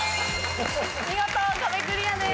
見事壁クリアです。